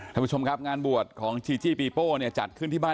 แต่รู้สึกว่าของเราเนี่ยแปลกที่สุด